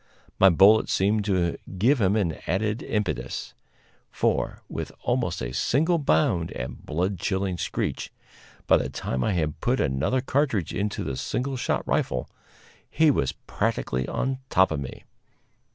My bullet seemed to give him an added impetus; for, with almost a single bound and a blood chilling screech, by the time I had put another cartridge into my single shot rifle, he was practically on top of me.